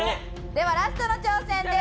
ではラストの挑戦です。